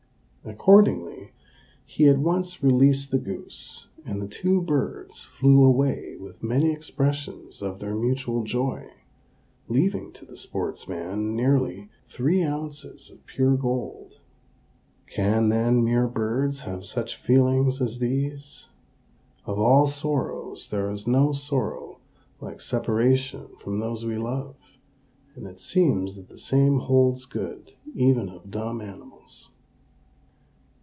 Accordingly, he at once released the goose, and the two birds flew away with many expressions of their mutual joy, leaving to the sportsman nearly three ounces of pure gold. Can, then, mere birds have such feelings as these? Of all sorrows there is no sorrow like separation from those we love; and it seems that the same holds good even of dumb animals.